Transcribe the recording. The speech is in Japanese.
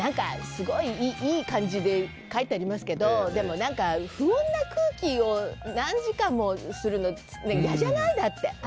すごい、いい感じで書いてありますけどでも、不穏な空気を何時間もするの、嫌じゃない？